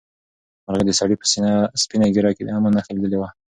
مرغۍ د سړي په سپینه ږیره کې د امن نښه لیدلې وه.